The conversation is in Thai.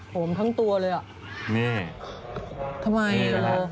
ทำไม